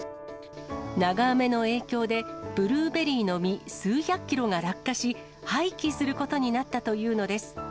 長雨の影響で、ブルーベリーの実、数百キロが落下し、廃棄することになったというのです。